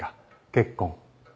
結婚？